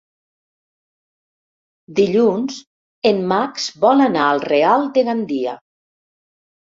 Dilluns en Max vol anar al Real de Gandia.